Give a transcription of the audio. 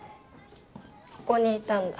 ここにいたんだ。